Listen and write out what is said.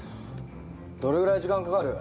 どれぐらい時間かかる？